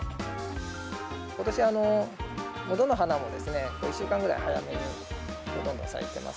ことしはどの花も１週間ぐらい早めにほとんど咲いています。